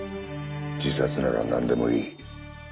自殺ならなんでもいい。